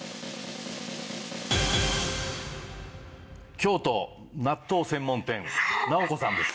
京都納豆専門店なおこさんです。